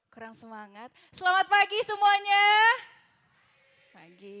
kurang semangat selamat pagi semuanya pagi